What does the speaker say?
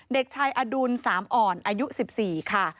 เด็กชายอดุลสามอ่อนอายุ๑๔ค่ะ